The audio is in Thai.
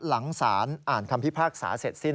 หลังสารอ่านคำพิพากษาเสร็จสิ้น